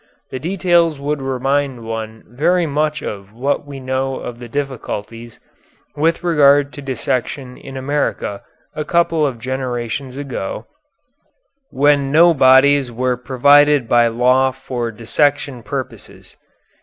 The details would remind one very much of what we know of the difficulties with regard to dissection in America a couple of generations ago, when no bodies were provided by law for dissection purposes.